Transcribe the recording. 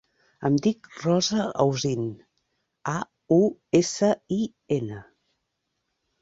Em dic Rosa Ausin: a, u, essa, i, ena.